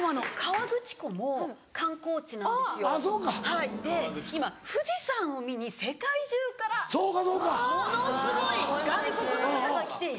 はいで今富士山を見に世界中からものすごい外国の方が来ていて。